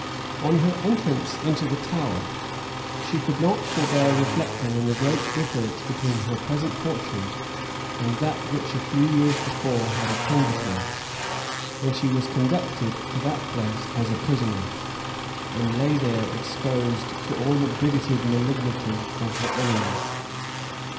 On her entrance into the Tower, she could not forbear reflecting on the great difference between her present fortune and that which a few years before had attended her, when she was conducted to that place as a prisoner, and lay there exposed to all the bigoted malignity of her enemies.